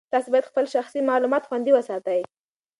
تاسي باید خپل شخصي معلومات خوندي وساتئ.